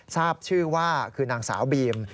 ทราบชื่อว่าคือนางสาวบีม